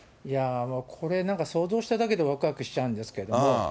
これ、なんか想像しただけでわくわくしちゃうんですけれども。